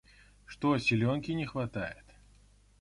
Что, силёнки не хватает?